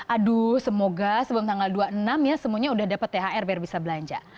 aduh semoga sebelum tanggal dua puluh enam ya semuanya udah dapat thr biar bisa belanja